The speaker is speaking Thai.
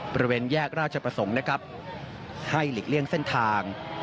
บริเวณแยกราชประสงค์นะครับให้หลีกเลี่ยงเส้นทาง